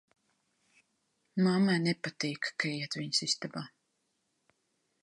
Mammai nepatīk, ka iet viņas istabā.